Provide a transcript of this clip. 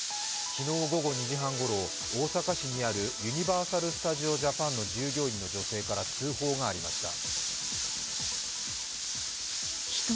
昨日午後２時半ごろ、大阪市にあるユニバーサル・スタジオ・ジャパンの従業員の女性から、通報がありました。